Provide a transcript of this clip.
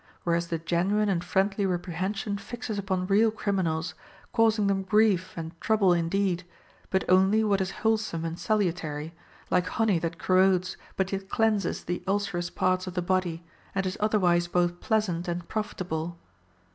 Whereas the genuine and friendly reprehension fixes upon real criminals, causing them grief and trouble indeed, but only what is wholesome and salu tary ; like honey that corrodes but yet cleanses the ulcerous parts of the body, and is otherwise both pleasant and profitable.